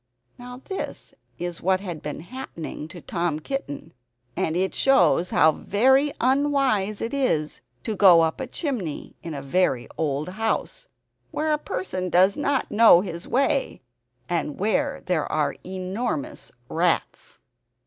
Now, this is what had been happening to Tom Kitten, and it shows how very unwise it is to go up a chimney in a very old house, where a person does not know his way, and where there are enormous rats.